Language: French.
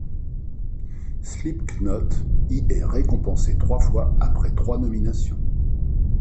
Slipknot y est récompensé trois fois après trois nominations.